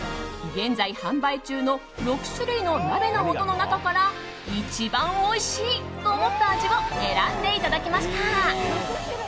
現在販売中の６種類の鍋の素の中から一番おいしいと思った味を選んでいただきました。